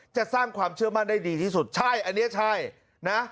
จะสร้างความเชื่อมั่นได้ดีที่สุดใช่อันนี้ใช่นะ